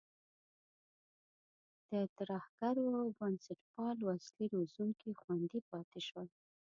د ترهګرو او بنسټپالو اصلي روزونکي خوندي پاتې شول.